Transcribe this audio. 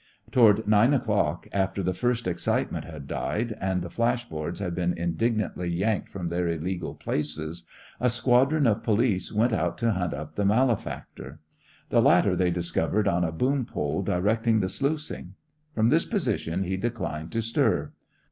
Toward nine o'clock, after the first excitement had died, and the flash boards had been indignantly yanked from their illegal places, a squadron of police went out to hunt up the malefactor. The latter they discovered on a boom pole directing the sluicing. From this position he declined to stir.